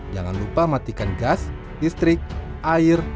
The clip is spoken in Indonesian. jangan lupa matikan gas listrik air